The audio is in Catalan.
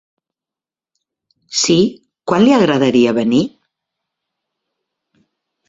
Sí, quan li agradaria venir?